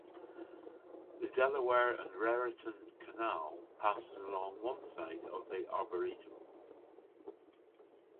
The Delaware and Raritan Canal passes along one side of the arboretum.